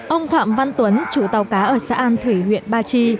ông phạm văn tuấn chủ tàu cá ở xã an thủy huyện ba chi